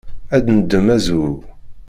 Ad d-neddem azwu.